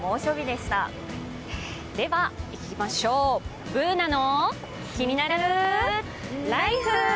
では、いきましょう、「ＢｏｏｎａのキニナルＬＩＦＥ」。